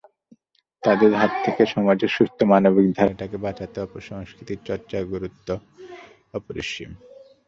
তাদের হাত থেকে সমাজের সুস্থ মানবিক ধারাটাকে বাঁচাতে সংস্কৃতিচর্চার গুরুত্ব অপরিসীম।